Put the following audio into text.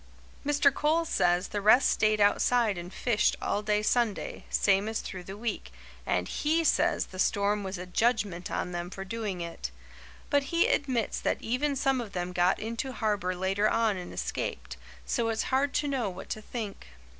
Mr. Coles says the rest stayed outside and fished all day Sunday, same as through the week, and HE says the storm was a judgment on them for doing it. But he admits that even some of them got into harbour later on and escaped, so it's hard to know what to think.